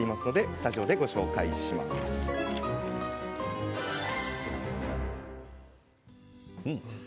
スタジオでご紹介しましょう。